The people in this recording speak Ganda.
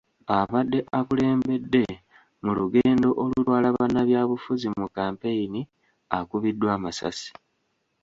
Abadde akulembedde mu lugendo olutwala munnabyabufuzi mu kampeyini akubiddwa amasasi.